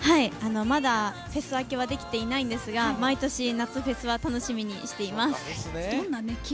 まだ、フェス明けはできていないんですが毎年、夏フェスは楽しみにしています。